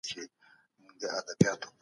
که ته غواړې پوه شې نو سفر وکړه.